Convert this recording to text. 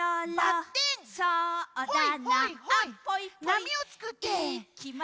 なみをつくって。